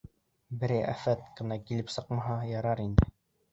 Берәй афәт кенә килеп сыҡмаһа ярар ине.